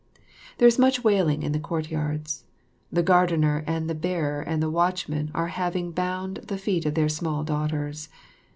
There is much wailing in the courtyards. The gardener and the bearer and the watchman are having bound the feet of their small daughters.